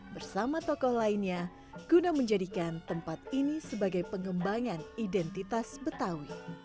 bersama tokoh lainnya guna menjadikan tempat ini sebagai pengembangan identitas betawi